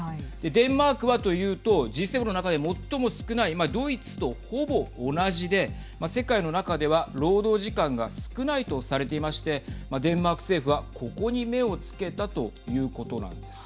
デンマークはというとＧ７の中で最も少ないドイツとほぼ同じで、世界の中では労働時間が少ないとされていましてデンマーク政府は、ここに目をつけたということなんです。